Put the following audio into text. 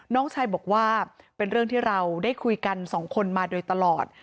น้องชายบอกว่าเป็นเรื่องที่เราได้คุยกันสองคนมาโดยตลอด